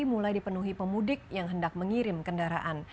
mulai dipenuhi pemudik yang hendak mengirim kendaraan